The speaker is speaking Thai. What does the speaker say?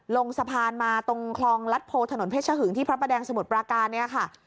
ลงสะพานมาตรงคลองรัฐโพถนนเพชรหึงที่พระประแดงสมุทรปราการเนี่ยค่ะ